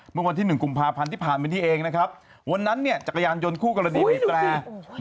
เมื่อวันที่๑กุมภาพันธ์ที่ผ่านมานี้เองนะครับวันนั้นเนี่ยจักรยานยนต์คู่กรณีบีบแตร